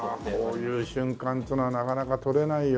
こういう瞬間っつうのはなかなか撮れないよね。